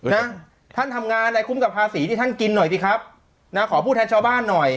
นะท่านทำงานอะไรคุ้มกับภาษีที่ท่านกินหน่อยสิครับนะขอพูดแทนชาวบ้านหน่อย